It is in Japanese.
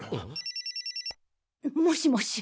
もしもし。